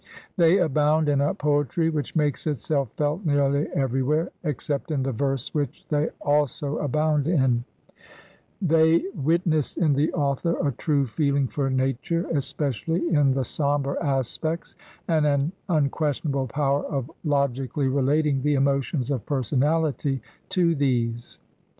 They abound in a poetry which makes itself felt nearly everywhere, ex cept in the verse which they also aboimd in. They wit* 83 Digitized by VjOOQIC HEROINES OF FICTION ness in the author a true feeling for nature, especially in the sombre aspects, and an unquestionable power of logically relating the emotions of personality to these.